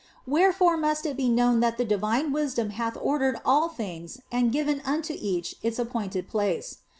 Wherefore must it be known that the divine wisdom hath ordered all things and given unto each its appointed place.